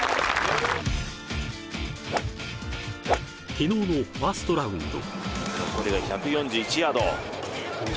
昨日のファーストラウンド。